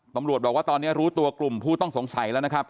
ตำรวจบอกว่าตอนนี้รู้ตัวกลุ่มผู้ต้องสงสัยแล้วนะครับ